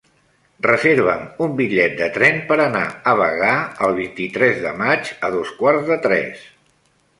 Reserva'm un bitllet de tren per anar a Bagà el vint-i-tres de maig a dos quarts de tres.